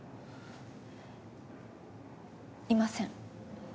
いません。